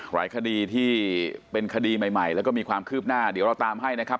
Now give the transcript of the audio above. หลายคดีที่เป็นคดีใหม่แล้วก็มีความคืบหน้าเดี๋ยวเราตามให้นะครับ